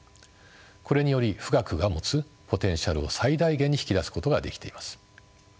これにより富岳が持つポテンシャルを最大限に引き出すことができています。